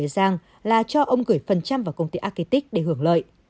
rằng là cho ông gửi phần trăm vào công ty architect để hưởng lợi